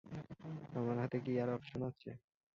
আমার হাতে কি আর অপশন আছে?